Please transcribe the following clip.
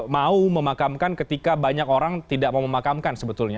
mau memakamkan ketika banyak orang tidak mau memakamkan sebetulnya